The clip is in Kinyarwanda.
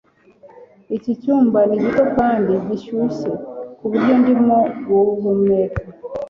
Iki cyumba ni gito kandi gishyushye kuburyo ndimo guhumeka